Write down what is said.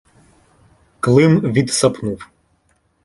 Клим відсапнув.